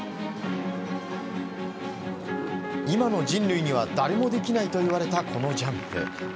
今の人類には誰もできないといわれた、このジャンプ。